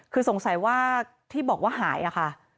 คือสงสัยว่าที่บอกว่าหายอะค่ะ